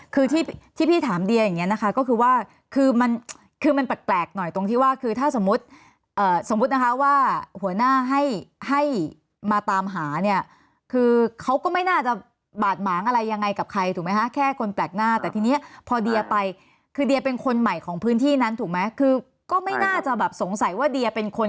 คือที่พี่ถามเดียอย่างนี้นะคะก็คือว่าคือมันคือมันแปลกหน่อยตรงที่ว่าคือถ้าสมมุติสมมุตินะคะว่าหัวหน้าให้ให้มาตามหาเนี่ยคือเขาก็ไม่น่าจะบาดหมางอะไรยังไงกับใครถูกไหมคะแค่คนแปลกหน้าแต่ทีนี้พอเดียไปคือเดียเป็นคนใหม่ของพื้นที่นั้นถูกไหมคือก็ไม่น่าจะแบบสงสัยว่าเดียเป็นคน